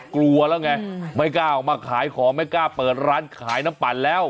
กลัวแล้วไงไม่กล้าออกมาขายของไม่กล้าเปิดร้านขายน้ำปั่นแล้ว